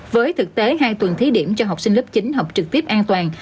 với thực tế hai tuần thí điểm cho học sinh lớp chín học trực tiếp an toàn